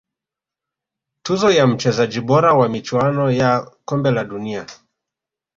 tuzo ya mchezaji bora wa michuano ya kombe la dunia